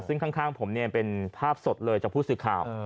ซึ่งข้างผมเป็นภาพสดเลยจากผู้สื่อข่าว